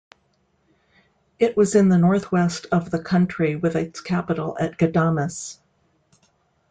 It was in the northwest of the country with its capital at Ghadames.